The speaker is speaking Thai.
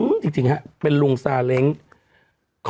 นานแล้ว